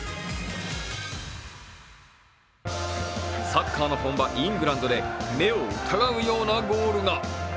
サッカーの本場、イングランドで目を疑うようなゴールが。